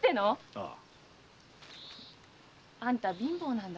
ああ。あんた貧乏なんだろ？